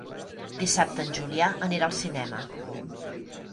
Dissabte en Julià anirà al cinema.